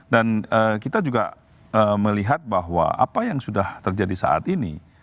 dan kita juga melihat bahwa apa yang sudah terjadi saat ini